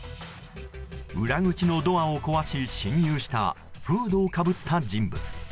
裏口のドアを壊し侵入したフードをかぶった人物。